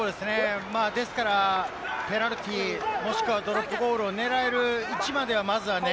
ですから、ペナルティーもしくはドロップゴールを狙える位置まではまずはね。